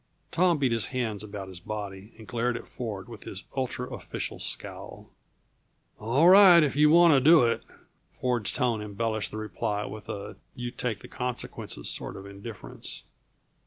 Tom beat his hands about his body and glared at Ford with his ultra official scowl. "All right, if you want to do it." Ford's tone embellished the reply with a you take the consequences sort of indifference.